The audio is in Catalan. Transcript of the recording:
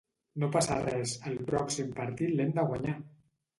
No passa res, el pròxim partit l'hem de guanyar!